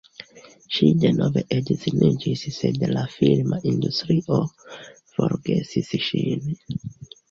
Ŝi denove edziniĝis sed la filma industrio forgesis ŝin.